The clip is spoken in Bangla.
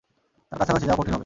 তার কাছাকাছি যাওয়া কঠিন হবে।